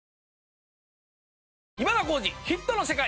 『今田耕司★ヒットの世界』。